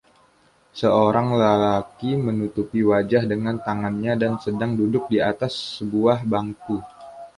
Seorang lelaki menutupi wajah dengan tangannya dan sedang duduk di atas sebuah bangku.